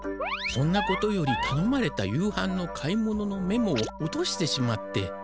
そんなことよりたのまれた夕はんの買い物のメモを落としてしまって。